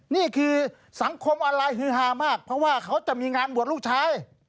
นี่คือสังคมออนไลน์ฮือฮามากเพราะว่าเขาจะมีงานบวชลูกชาย